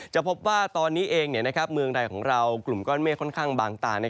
จะพบว่าตอนนี้เองเมืองใดของเรากลุ่มก้อนเมฆค่อนข้างบางตา